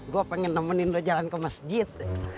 gue pengen nemenin lo jalan ke masjid